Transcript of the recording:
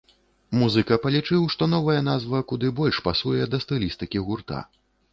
Музыка палічыў, што новая назва куды больш пасуе да стылістыкі гурта.